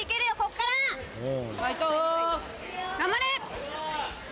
・頑張れ！